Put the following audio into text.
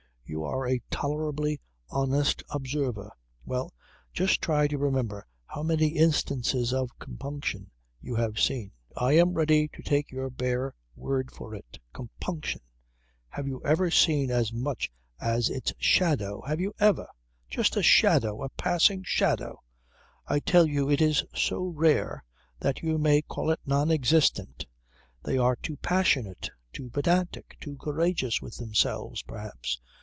You are a tolerably honest observer. Well, just try to remember how many instances of compunction you have seen. I am ready to take your bare word for it. Compunction! Have you ever seen as much as its shadow? Have you ever? Just a shadow a passing shadow! I tell you it is so rare that you may call it non existent. They are too passionate. Too pedantic. Too courageous with themselves perhaps.